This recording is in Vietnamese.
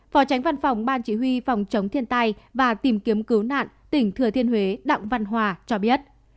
phó tránh văn phòng ban chỉ huy phòng chống thiên tai và tìm kiếm cứu nạn tỉnh thừa thiên huế đặng văn hòa cho biết